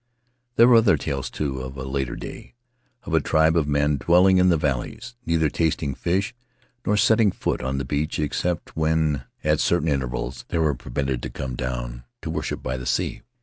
There were other tales, too, of a later day; of a tribe of men dwelling in the valleys, neither tasting fish nor setting foot on the beach except when, at certain intervals, they were permitted to come down to worship by the sea.